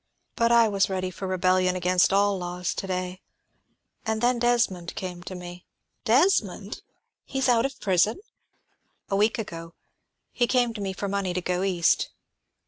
But I was ready for rebellion against all laws to day; and then Desmond came to me " "Desmond! He is out of prison?" "A week ago. He came to me for money to go East.